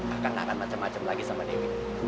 akang gak akan macem macem lagi sama dewi